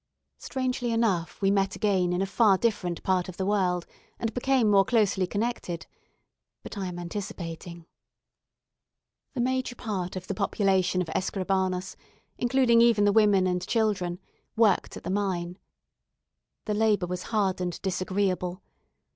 Strangely enough, we met again in a far different part of the world, and became more closely connected. But I am anticipating. The major part of the population of Escribanos, including even the women and children, worked at the mine. The labour was hard and disagreeable.